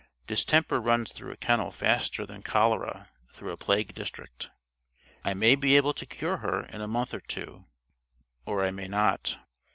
Distemper runs through a kennel faster than cholera through a plague district. I may be able to cure her in a month or two or I may not.